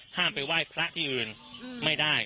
ไปไหว้พระที่อื่นไม่ได้